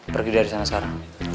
pergi dari sana sekarang